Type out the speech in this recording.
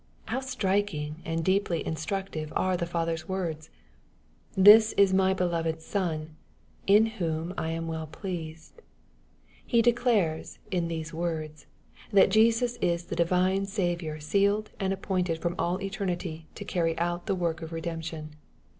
How striking and deeply instructive are the Father's words I " This is my beloved Son, in whom I am well pleased." He declares, in these words, that Jesus is the divine Saviour sealed and appointed from all eternity to carry out the work of redemption.